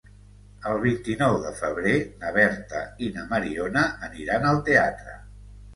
El vint-i-nou de febrer na Berta i na Mariona aniran al teatre.